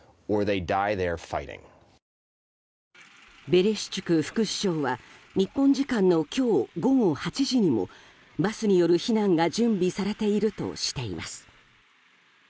ベレシュチュク副首相は日本時間の今日午後８時にもバスによる避難が準備されているとしています。